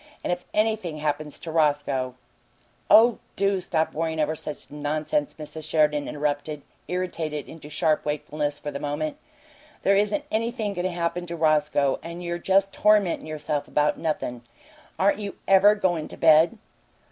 And if anything happens to Roscoe " "Oh, do stop worryin' over such nonsense," Mrs. Sheridan interrupted, irritated into sharp wakefulness for the moment. "There isn't anything goin' to happen to Roscoe, and you're just tormentin' yourself about nothin'. Aren't you EVER goin' to bed?"